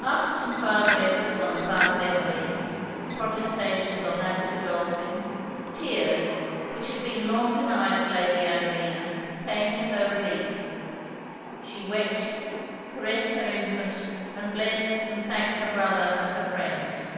After some farther efforts on the part of Emmeline, and protestations on that of Godolphin, tears, which had been long denied to Lady Adelina, came to her relief. She wept, caressed her infant, and blessed and thanked her brother and her friends.